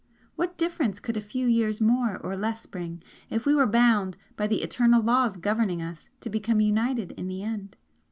What difference could a few years more or less bring, if we were bound, by the eternal laws governing us, to become united in the end?